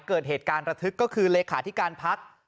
เกิดเหตุการณ์ระทึกก็คือเลขาธิการพัก